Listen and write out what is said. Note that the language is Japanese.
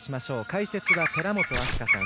解説は寺本明日香さん。